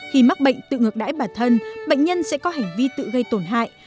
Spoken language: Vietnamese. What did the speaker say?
khi mắc bệnh tự ngược đãi bản thân bệnh nhân sẽ có hành vi tự gây tổn hại